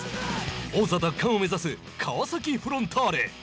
王座奪還を目指す川崎フロンターレ。